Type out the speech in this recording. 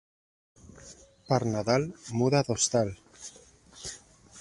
Per Nadal muda d'hostal.